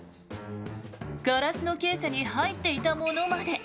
ガラスのケースに入っていたものまで。